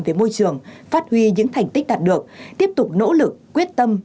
về môi trường phát huy những thành tích đạt được tiếp tục nỗ lực quyết tâm